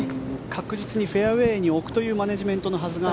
確実にフェアウェーに置くというマネジメントのはずが。